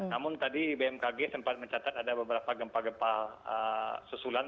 namun tadi bmkg sempat mencatat ada beberapa gempa gempa susulan